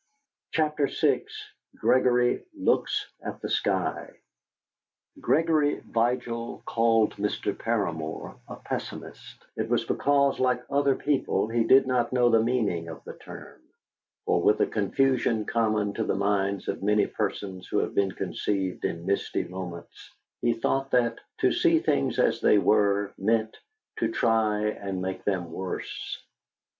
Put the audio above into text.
CHAPTER VI GREGORY LOOKS AT THE SKY Gregory Vigil called Mr. Paramor a pessimist it was because, like other people, he did not know the meaning of, the term; for with a confusion common to the minds of many persons who have been conceived in misty moments, he thought that, to see things as they were, meant, to try and make them worse.